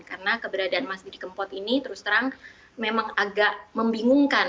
karena keberadaan mas didi kempot ini terus terang memang agak membingungkan